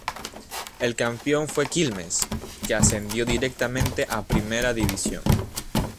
El campeón fue Quilmes, que ascendió directamente a Primera División.